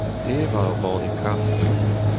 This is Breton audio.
Evañ ur banne kafe.